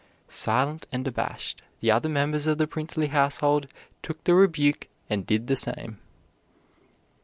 Silent and abashed, the other members of the princely household took the rebuke and did the same.